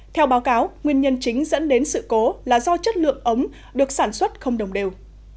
theo báo cáo nguyên nhân chính dẫn đến sự cố là do chất lượng ống được sản xuất không đồng đều